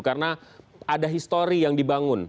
karena ada history yang dibangun